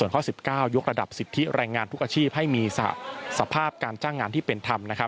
ข้อ๑๙ยกระดับสิทธิแรงงานทุกอาชีพให้มีสภาพการจ้างงานที่เป็นธรรม